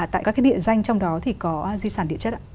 tại các cái địa danh trong đó thì có di sản địa chất ạ